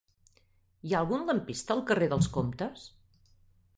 Hi ha algun lampista al carrer dels Comtes?